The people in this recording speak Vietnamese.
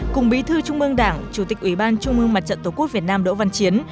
cùng bí thư trung ương đảng chủ tịch ủy ban trung ương mặt trận tổ quốc việt nam đỗ văn chiến